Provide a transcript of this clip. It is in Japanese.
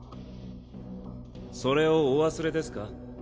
それをお忘れですか？